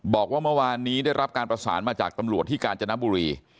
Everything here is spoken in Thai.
บอกว่าเมื่อวานนี้ได้รับการประสานมาจากตำรวจที่กาญจนบุรี